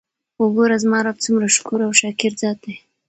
وګوره! زما رب څومره شکور او شاکر ذات دی!!؟